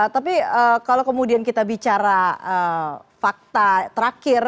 tapi kalau kemudian kita bicara fakta terakhir